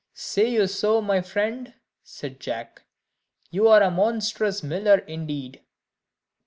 "Say you so, my friend?" said Jack; "you are a monstrous miller, indeed!"